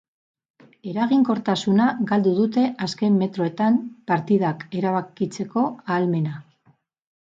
Eraginkortasuna galdu dute azken metroetan, partidak erabakitzeko ahalmena.